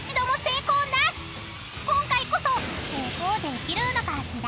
［今回こそ］